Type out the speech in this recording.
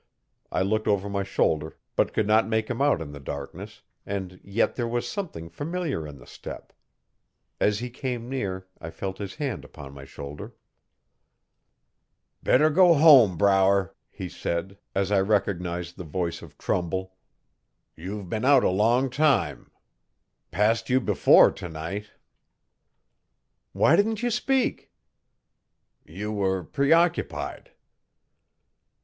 I looked over my shoulder, but could not make him out in the darkness, and yet there was something familiar in the step. As he came near I felt his hand upon my shoulder. 'Better go home, Brower,' he said, as I recognised the voice of Trumbull. 'You've been out a long time. Passed you before tonight.' 'Why didn't you speak?' 'You were preoccupied.'